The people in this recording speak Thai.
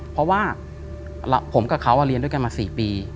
เพราะว่าผมกับเขาเรียนด้วยกันมา๔ปี